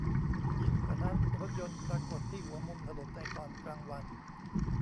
ยิ่งกว่านั้น รถยนต์ปรากฏที่หัวมุมถนนในตอนกลางวัน